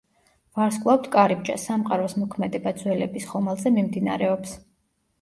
ვარსკვლავთკარიბჭე: სამყაროს მოქმედება ძველების ხომალდზე მიმდინარეობს.